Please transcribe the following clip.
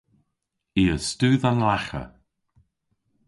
I a studh an lagha.